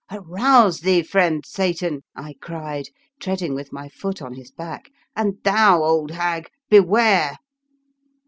" Arouse thee, friend Satan," I cried, treading with my foot on his back. " And thou, old hag, beware!"